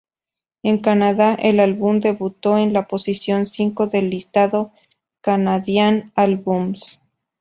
En Canadá, el álbum debutó en la posición cinco del listado "Canadian Albums".